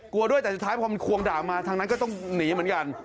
กลัวด้วยแต่สุดท้ายพอมันควงด่างมาทางนั้นก็ต้องหนีเหมือนกัน